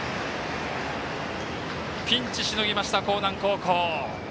ピンチしのぎました興南高校。